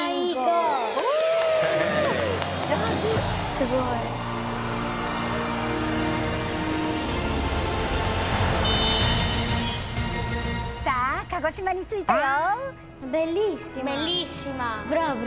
すごい。さあ鹿児島に着いたよ。